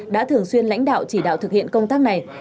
đã thường xuyên lãnh đạo chỉ đạo thực hiện công tác này